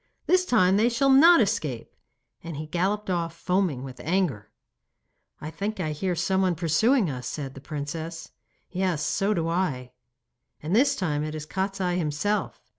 This time they shall not escape.' And he galloped off, foaming with anger. 'I think I hear someone pursuing us,' said the princess 'Yes, so do I.' 'And this time it is Kostiei himself.